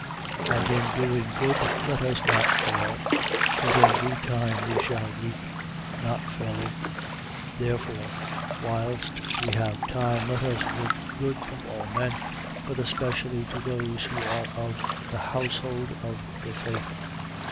6:9. And in doing good, let us not fail. For in due time we shall reap, not failing. 6:10. Therefore, whilst we have time, let us work good to all men, but especially to those who are of the household of the faith.